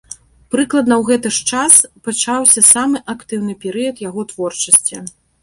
Прыкладна ў гэты ж час пачаўся самы актыўны перыяд яго творчасці.